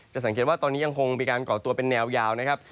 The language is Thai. สังเกตว่าตอนนี้ยังคงมีการก่อตัวเป็นแนวยาวนะครับ